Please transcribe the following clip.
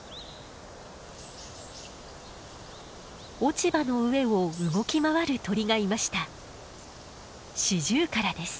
落ち葉の上を動き回る鳥がいました。